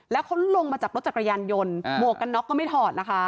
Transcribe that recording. แล้วเขาลงมาจากรถจักรยานยนต์หมวกกันน็อกก็ไม่ถอดนะคะ